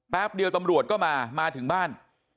เดียวตำรวจก็มามาถึงบ้าน